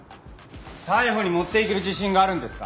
逮捕に持っていける自信があるんですか？